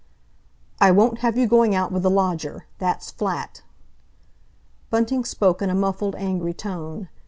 "I won't have you going out with the lodger—that's flat." Bunting spoke in a muffled, angry tone.